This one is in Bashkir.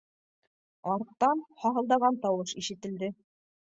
Арттан һаһылдаған тауыш ишетелде: